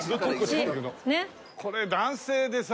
これ男性でさ。